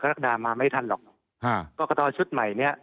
ก็รักษณะมาไม่ทันหรอกครับครับกรกตชุดใหม่เนี่ย